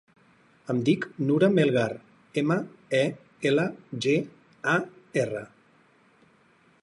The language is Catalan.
Em dic Nura Melgar: ema, e, ela, ge, a, erra.